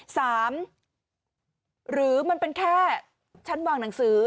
หรือมันเป็นแค่ชั้นวางหนังสือ